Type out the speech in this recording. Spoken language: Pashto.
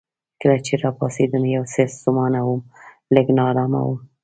کله چې راپاڅېدم یو څه ستومانه وم، لږ نا ارامه وم.